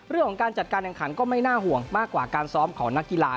เรื่องของการจัดการแข่งขันก็ไม่น่าห่วงมากกว่าการซ้อมของนักกีฬา